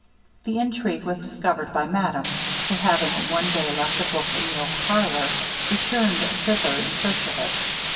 The intrigue was discovered by madame, who, having one day left a book in the oak parlour, returned thither in search of it.